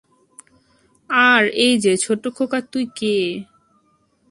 আর এইযে, ছোট্ট খোকা, তুই কে?